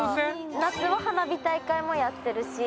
夏は花火大会もやってるし。